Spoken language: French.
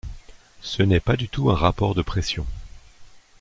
Ce n'est pas du tout un rapport de pressions.